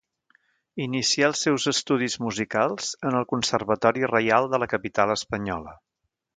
Inicià els seus estudis musicals en el Conservatori Reial de la capital espanyola.